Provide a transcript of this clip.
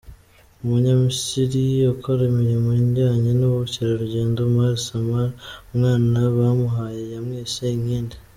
Umunyamisiri ukora imirimo ijyanye n’ubukerarugendo, Omar Samra, umwana bamuhaye yamwise “Inkindi”.